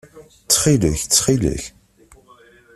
Ttxil-k! Ttxil-k!